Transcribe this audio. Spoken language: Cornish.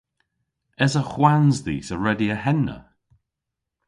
Esa hwans dhis a redya henna?